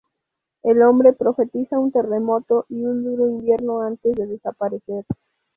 El hombre profetiza un terremoto y un duro invierno antes de desaparecer.